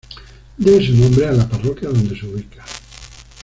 Debe su nombre a la parroquia donde se ubica.